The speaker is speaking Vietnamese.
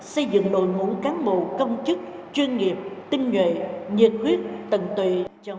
xây dựng nội ngũ cán bộ công chức chuyên nghiệp tinh nhuệ nhiệt huyết tầng tùy